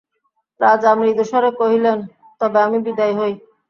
রাজা মৃদুস্বরে কহিলেন, তবে আমি বিদায় হই।